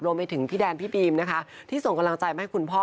รวมไปถึงพี่แดนพี่บีมนะคะที่ส่งกำลังใจมาให้คุณพ่อ